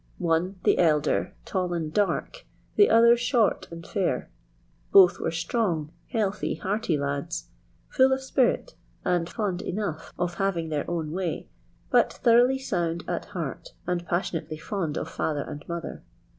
One, the elder, tall and dark, the other short and fair, both were strong, healthy, hearty lads, full of spirit, and fond enough of having their own way, but thoroughly sound at heart and passionately fond of father and mother.